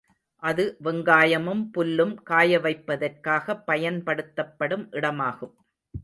அது, வெங்காயமும் புல்லும் காயவைப்பதற்காகப் பயன்படுத்தப்படும் இடமாகும்.